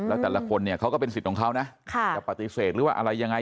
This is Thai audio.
แล้วแต่ละคนเนี่ยเขาก็เป็นสิทธิ์ของเขานะจะปฏิเสธหรือว่าอะไรยังไง